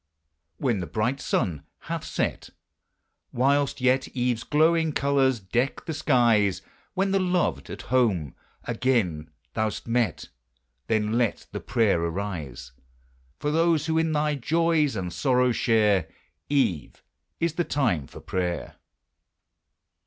When the bright sun hath set, Whilst yet eve's glowing colors deck the skies; When the loved, at home, again thou 'st met, Then let the prayer arise For those who in thy joys and sorrow share: Eve is the time for prayer!